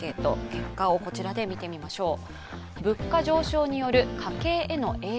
結果をこちらで見てみましょう。